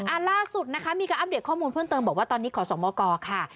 ล่าสุดนะคะมีการอัปเดตข้อมูลเพิ่มเติมบอกว่าตอนนี้ขอสมกค่ะ